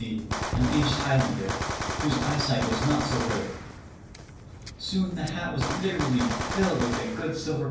C., an aged Highlander, whose eyesight was not too good. Soon the hat was literally filled with a good silver